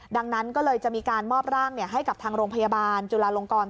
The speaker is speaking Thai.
ดังนั้นก็เลยจะมีการมอบร่างให้กับทางโรงพยาบาลจุลาลงกร